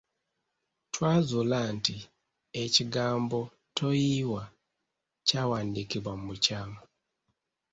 Twazuula nti, ekigambo "Toyiiwa" kyawandiikibwa mu bukyamu.